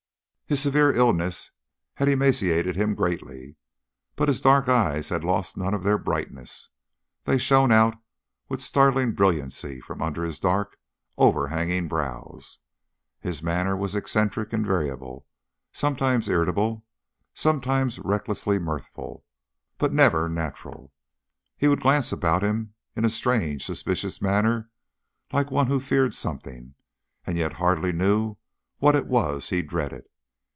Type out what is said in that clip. His severe illness had emaciated him greatly, but his dark eyes had lost none of their brightness. They shone out with startling brilliancy from under his dark, overhanging brows. His manner was eccentric and variable sometimes irritable, sometimes recklessly mirthful, but never natural. He would glance about him in a strange, suspicious manner, like one who feared something, and yet hardly knew what it was he dreaded.